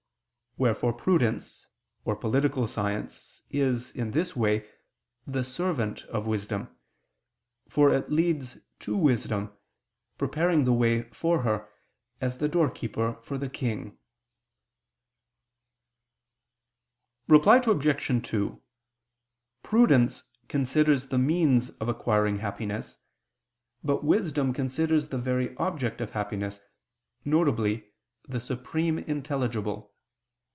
Wherefore prudence, or political science, is, in this way, the servant of wisdom; for it leads to wisdom, preparing the way for her, as the doorkeeper for the king. Reply Obj. 2: Prudence considers the means of acquiring happiness, but wisdom considers the very object of happiness, viz. the Supreme Intelligible.